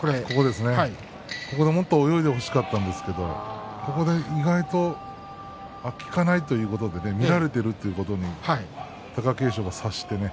ここで、もっと泳いでほしかったんですけど意外と効かないということで見られているということに貴景勝が察してね。